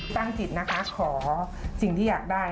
จิตนะคะขอสิ่งที่อยากได้